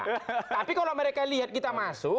tapi kalau mereka lihat kita masuk